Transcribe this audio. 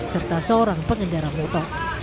serta seorang pengendara motor